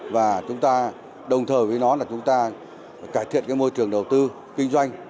và chúng ta đồng thời với nó là chúng ta cải thiện môi trường đầu tư kinh doanh